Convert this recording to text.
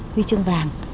huy chương vàng